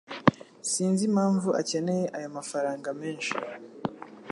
Sinzi impamvu akeneye ayo mafranga menshi.